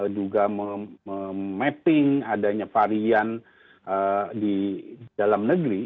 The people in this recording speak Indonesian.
juga memapping adanya varian di dalam negeri